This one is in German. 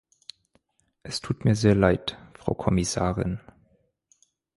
Es tut mir sehr leid, Frau Kommissarin.